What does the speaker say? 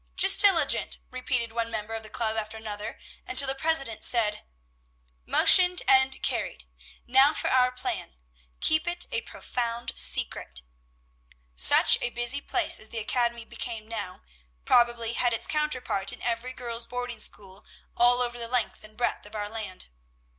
"Jist illigant!" repeated one member of the club after another, until the president said, "Motioned, and carried. Now for our plan. Keep it a profound secret!" Such a busy place as the academy became now, probably had its counterpart in every girls' boarding school all over the length and breadth of our land.